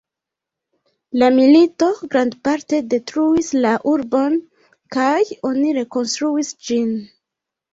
La milito grandparte detruis la urbon, kaj oni rekonstruis ĝin.